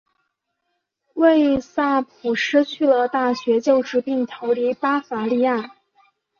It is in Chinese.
魏萨普失去了大学教职并逃离巴伐利亚。